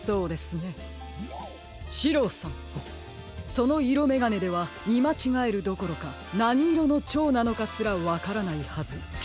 そのいろめがねではみまちがえるどころかなにいろのチョウなのかすらわからないはず。